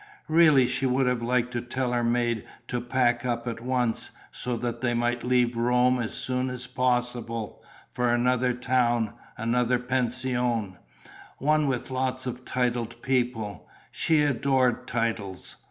Really she would have liked to tell her maid to pack up at once, so that they might leave Rome as soon as possible, for another town, another pension, one with lots of titled people: she adored titles!